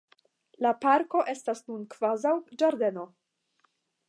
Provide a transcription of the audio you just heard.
La parko estas nun kvazaŭ ĝardeno.